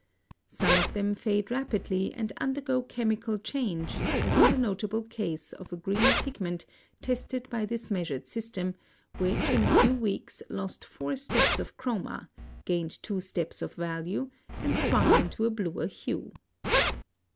Some of them fade rapidly and undergo chemical change, as in the notable case of a green pigment tested by this measured system, which in a few weeks lost four steps of chroma, gained two steps of value, and swung into a bluer hue.